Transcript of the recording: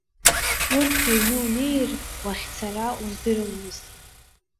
Урҭ рыҩны унеир, уахьцара уздырамызт.